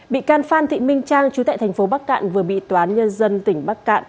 bị can phan thị minh trang chú tại thành phố bắc cạn vừa bị tòa án nhân dân tỉnh bắc cạn